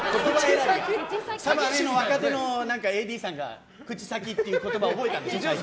その辺の若手のＡＤさんが口先っていう言葉を覚えたんでしょうね。